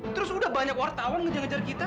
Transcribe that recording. terus udah banyak wartawan ngejar ngejar kita